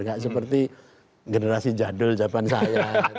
gak seperti generasi jadul zaman saya